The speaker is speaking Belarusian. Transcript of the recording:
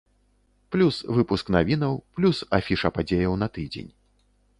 Плюс выпуск навінаў, плюс афіша падзеяў на тыдзень.